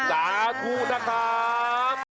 สาธุนะครับ